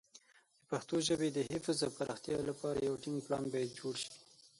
د پښتو ژبې د حفظ او پراختیا لپاره یو ټینګ پلان باید جوړ شي.